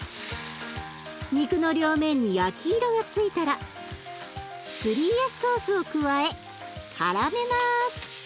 肉の両面に焼き色がついたら３Ｓソースを加えからめます。